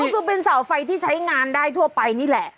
ก็คือเป็นเสาไฟที่ใช้งานได้ทั่วไปนี่แหละ